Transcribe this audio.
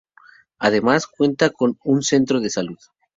Además, cuenta con un centro de salud.